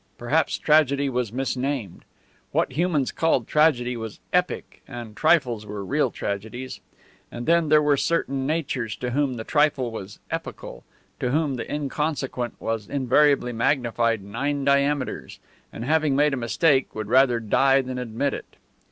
Perhaps tragedy was mis named. What humans called tragedy was epic, and trifles were real tragedies. And then there were certain natures to whom the trifle was epical; to whom the inconsequent was invariably magnified nine diameters; and having made a mistake, would die rather than admit it.